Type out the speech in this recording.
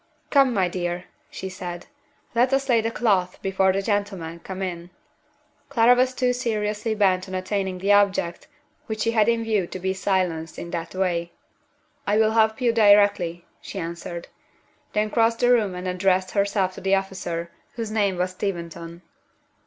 "Come, my dear," she said. "Let us lay the cloth before the gentlemen come in." Clara was too seriously bent on attaining the object which she had in view to be silenced in that way. "I will help you directly," she answered then crossed the room and addressed herself to the officer, whose name was Steventon.